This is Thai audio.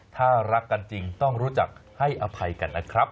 ถ้ารักกันจริงต้องรู้จักให้อภัยกันนะครับ